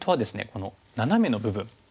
このナナメの部分。